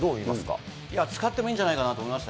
使ってもいいんじゃないかなと思いました。